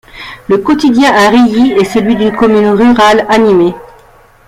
Le quotidien à Rilly est celui d'une commune rurale animée.